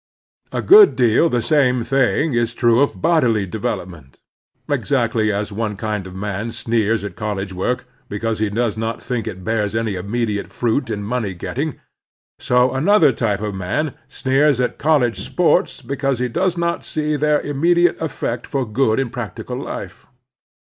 A good deal the same thing is true of bodily development. Exactly as one kind of man sneers at college work because he does not think it bears any immediate fruit in money getting, so another Character and Success 1x3 type of man sneers at college sports because he does not see their immediate effect for good in practical life.